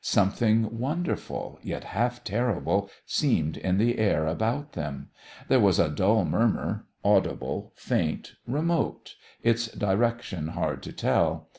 Something wonderful, yet half terrible, seemed in the air about them. There was a dull murmur, audible, faint, remote, its direction hard to tell.